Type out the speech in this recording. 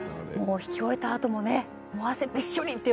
弾き終えたあともね汗びっしょりっていう。